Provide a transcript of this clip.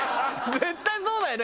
絶対そうだよね。